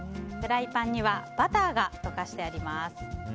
フライパンにはバターが溶かしてあります。